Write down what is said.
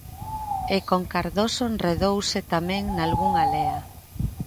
E con Cardoso enredouse tamén nalgunha lea.